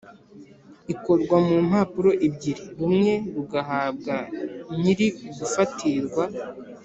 ikorwa mu mpapuro ebyiri, rumwe rugahabwa nyiri ugufatirwa